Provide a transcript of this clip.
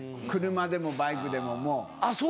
車でもバイクでももう。